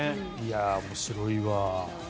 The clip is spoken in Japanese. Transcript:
面白いわ。